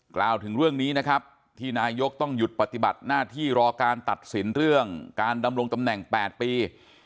กล่าวถึงเรื่องนี้นะครับที่นายกต้องหยุดปฏิบัติหน้าที่รอการตัดสินเรื่องการดำรงตำแหน่ง๘ปี